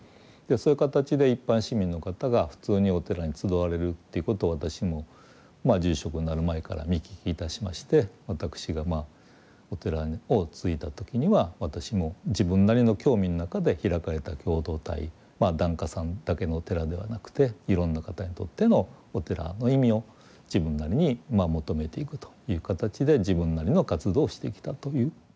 そういう形で一般市民の方が普通にお寺に集われるっていうことを私も住職になる前から見聞きいたしまして私がお寺を継いだ時には私も自分なりの興味の中で開かれた共同体檀家さんだけのお寺ではなくていろんな方にとってのお寺の意味を自分なりに求めていくという形で自分なりの活動をしてきたという。